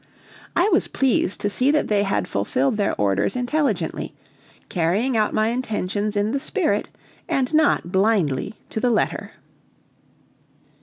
I was pleased to see that they had fulfilled their orders intelligently, carrying out my intentions in the spirit and not blindly to the letter.